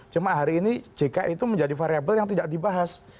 cuma hari ini jk itu menjadi variable yang tidak dibahas